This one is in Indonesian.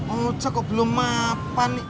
ojak kok belum mapan